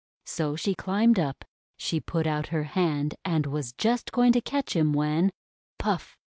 So she climbed up. She put out her hand and was just going to catch him, when — puff!